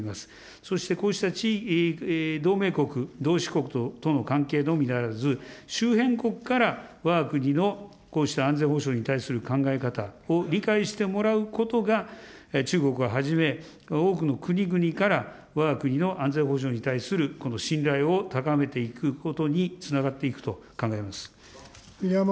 そしてこうした同盟国、同志国との関係のみならず、周辺国からわが国のこうした安全保障に対する考え方を理解してもらうことが、中国をはじめ、多くの国々からわが国の安全保障に対するこの信頼を高めていくことにつながっていくと考えます。